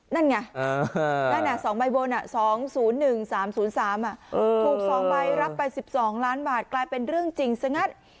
นั่นไงนั่น๒ใบบน๒๐๑๓๐๓ถูก๒ใบรับไป๑๒ล้านบาทกลายเป็นเรื่องจริงซะงั้น